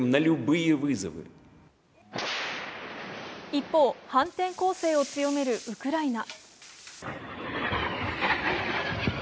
一方、反転攻勢を強めるウクライナ。